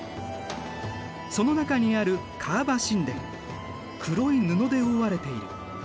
その中にある黒い布で覆われている。